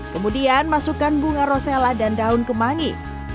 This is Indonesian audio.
kemudian masukkan bunga rosella dan daun kemangi